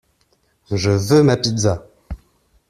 Je veux ma pizza!